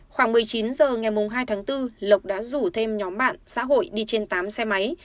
khoảng một mươi chín h ngày hai tháng bốn lộc đã rủ thêm nhóm bạn xã hội đi trên tám xe máy